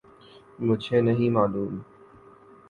مجھے نہیں معلوم۔